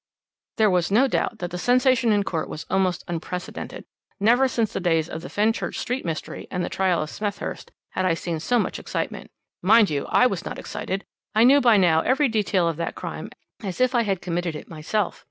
"' "There was no doubt that the sensation in court was almost unprecedented. Never since the days of the Fenchurch Street mystery, and the trial of Smethurst, had I seen so much excitement. Mind you, I was not excited I knew by now every detail of that crime as if I had committed it myself.